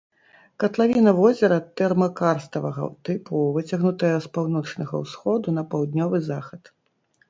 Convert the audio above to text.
Катлавіна возера тэрмакарставага тыпу выцягнутая з паўночнага ўсходу на паўднёвы захад.